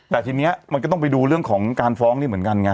แต่ทีนี้มันก็ต้องไปดูเรื่องของการฟ้องนี่เหมือนกันไง